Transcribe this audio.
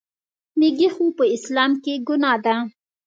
میږي خو په اسلام کې ګناه ده.